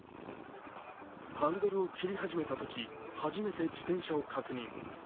ハンドルを切り始めたとき、初めて自転車を確認。